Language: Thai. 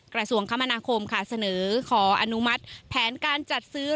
กระทรวงคมนาคมค่ะเสนอขออนุมัติแผนการจัดซื้อ